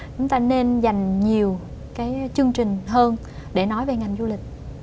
chúng ta nên dành nhiều chương trình hơn để nói về ngành du lịch